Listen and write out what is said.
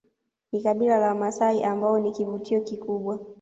ni kabila la wamasai ambao ni kivutio kikubwa